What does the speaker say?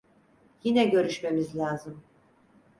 Yine görüşmemiz lazım…